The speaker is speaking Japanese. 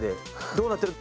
どうなってる？